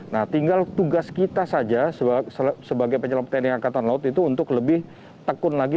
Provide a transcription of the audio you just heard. nah tinggal tugas kita saja sebagai penyelam tni angkatan laut itu untuk lebih tekun lagi